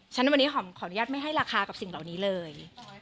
ฉะนั้นวันนี้หอมขออนุญาตไม่ให้ราคากับสิ่งเหล่านี้เลย